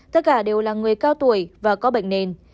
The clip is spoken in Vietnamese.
tất cả đều là người cao tuổi và có bệnh nền